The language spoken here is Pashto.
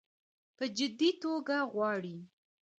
په جدي توګه غواړي.